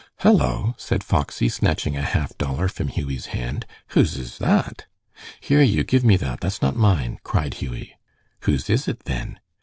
"Hullo!" said Foxy, snatching a half dollar from Hughie's hand, "whose is that?" "Here, you, give me that! That's not mine," cried Hughie. "Whose is it, then?"